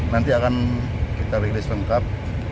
nanti akan kita rilis lengkap